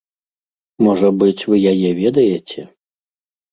Можа быць, вы яе ведаеце?